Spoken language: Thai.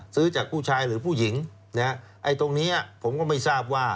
ซื้อจากผู้ชายหรือผู้หญิงนะฮะไอ้ตรงนี้ผมก็ไม่ทราบว่า